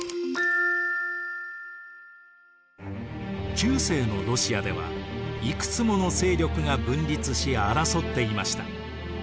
中世のロシアではいくつもの勢力が分立し争っていました。